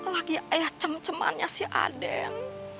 lagi ayah cem cemannya si aden